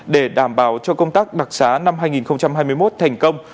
để đảm bảo cho công tác đặc xá năm hai nghìn hai mươi một thành công